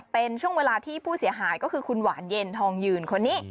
เป็นช่วงเวลาที่ผู้เสียหายก็คือคุณหวานเย็นทองยืนคนนี้